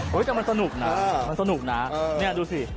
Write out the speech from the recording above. แต่มันสนุกนะมันสนุกนะเนี่ยดูสิ